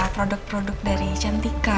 produk produk dari cantika